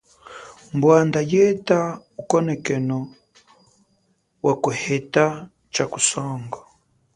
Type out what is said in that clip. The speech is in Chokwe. Bwanda yeta ukonekeno wakuheta cha kusongo.